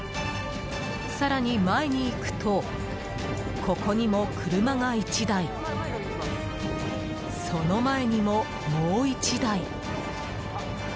更に前に行くとここにも車が１台その前にも、もう１台。